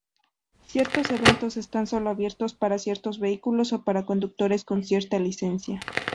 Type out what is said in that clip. Ciertos eventos están sólo abiertos para ciertos vehículos o para conductores con cierta licencia.